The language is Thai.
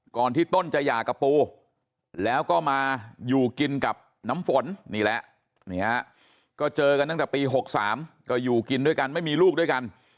ก่อนที่ต้นจะหย่ากับปูแล้วก็มาอยู่กินกับน้ำฝนนี่แหละก็เจอกันตั้งแต่ปี๖๓ก็อยู่กินด้วยกันไม่มีลูกด้วยกัน